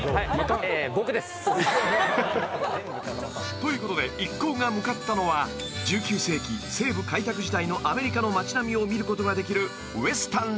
［ということで一行が向かったのは１９世紀西部開拓時代のアメリカの町並みを見ることができる］